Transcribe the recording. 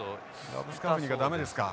ラブスカフニが駄目ですか。